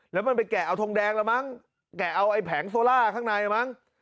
แล้วมันไปแกะเอาทงแดงละมั้งแกะเอาไอ้แผงโซล่าข้างในมั้ง